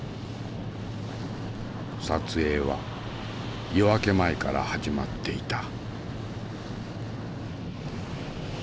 撮影は夜明け前から始まっていた。